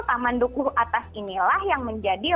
taman dukuh atas inilah yang menjadi